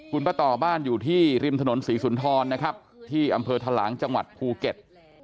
คุณป้าต่อบ้านอยู่ที่ริมถนนศรีสุนทรนะครับที่อำเภอทะลางจังหวัดภูเก็ต